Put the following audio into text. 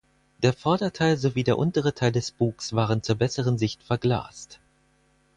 Der Vorderteil sowie der untere Teil des Bugs waren zur besseren Sicht verglast.